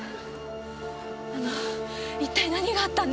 あの一体何があったんです？